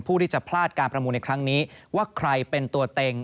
ผู้ที่จะพลาดการประมูลในครั้งนี้ว่าใครเป็นตัวเต็ง